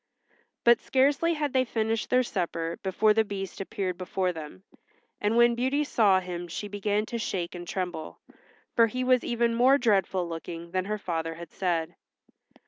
But scarcely had they finished their supper before the Beast appeared before them, and when Beauty saw him she began to shake and tremble, for he was even more dreadful looking than her father had said.